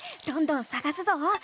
どんどんさがすぞ！